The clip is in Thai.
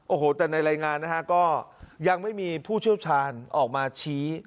โอ้โหแต่ในรายงานก็ยังไม่มีผู้ชอบชาญออกมาชี้